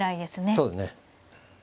そうですね。